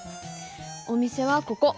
お店はここ。